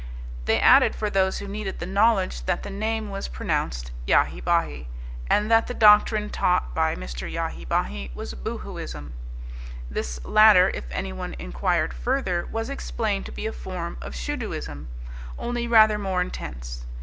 They added for those who needed the knowledge that the name was pronounced Yahhy Bahhy, and that the doctrine taught by Mr. Yahi Bahi was Boohooism. This latter, if anyone inquired further, was explained to be a form of Shoodooism, only rather more intense.